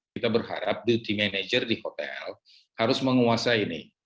kita berharap di team manager di hotel harus menguasai ini